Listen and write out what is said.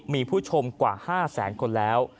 มีผู้ชมกว่า๕แสนคนแล้ว